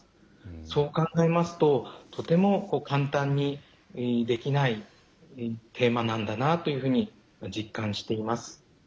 そう考えますととても簡単にできないテーマなんだなというふうに実感しています。